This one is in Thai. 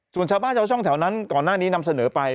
ส่วนชาวบ้านชาวช่องแถวนั้นก่อนหน้านี้นำเสนอไป